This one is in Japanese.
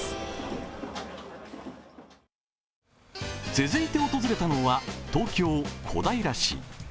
続いて訪れたのは、東京・小平市。